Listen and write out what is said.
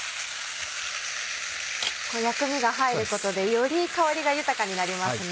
薬味が入ることでより香りが豊かになりますね。